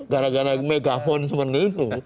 gara gara megafon seperti itu